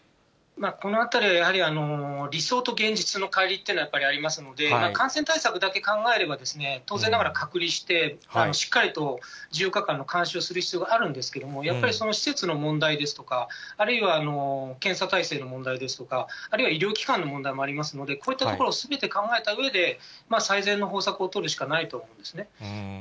このあたりはやはり理想と現実のかい離というのは、やっぱりありますので、感染対策だけ考えれば、当然ながら隔離して、しっかりと１４日間の監視をする必要があるんですけれども、やっぱりその施設の問題ですとか、あるいは検査体制の問題ですとか、あるいは医療機関の問題もありますので、こういったところをすべて考えたうえで、最善の方策を取るしかないと思うんですね。